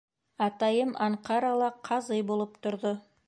Атайым Анҡарала ҡазый булып торҙо.